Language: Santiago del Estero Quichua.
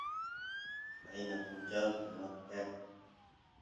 qayna punchaw sumaq kara